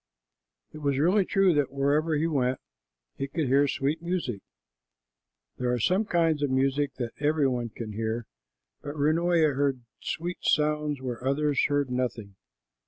It was really true that wherever he went he could hear sweet music. There are some kinds of music that every one can hear, but Runoia heard sweet sounds where others heard nothing.